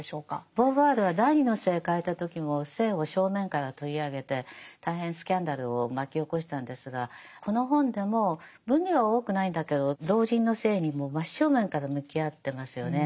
ボーヴォワールは「第二の性」書いた時も性を正面から取り上げて大変スキャンダルを巻き起こしたんですがこの本でも分量は多くないんだけど老人の性にもう真正面から向き合ってますよね。